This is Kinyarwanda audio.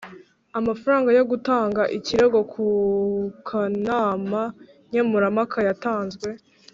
amafaranga yo gutanga ikirego ku kanama nkemurampaka yatanzwe